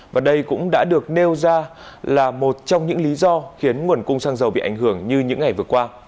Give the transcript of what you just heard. và đây cũng đã được nêu ra là một trong những lý do khiến nguồn cung xăng dầu bị ảnh hưởng như những ngày vừa qua